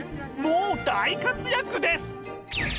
もう大活躍です！